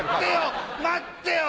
待ってよ！